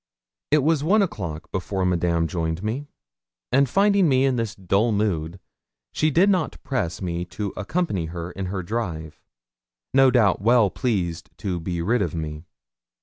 It was one o'clock before Madame joined me; and finding me in this dull mood, she did not press me to accompany her in her drive, no doubt well pleased to be rid of me.